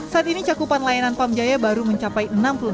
saat ini cakupan layanan pam jaya baru mencapai enam puluh enam